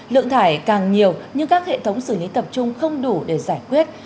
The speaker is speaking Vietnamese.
lượng thải càng nhiều nhưng các hệ thống xử lý tập trung không đủ để giải quyết